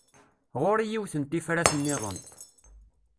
Ɣur-i yiwet n tifrat-nniḍen.